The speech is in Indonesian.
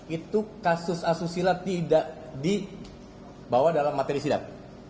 itu kasus asusila tidak dibawa dalam materi sidang